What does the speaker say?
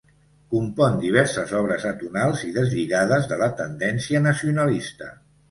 Compon diverses obres atonals i deslligades de la tendència nacionalista.